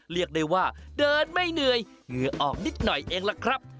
เรียกได้ว่าเดินไม่เหนื่อยเหงื่อออกนิดหน่อยเองล่ะครับ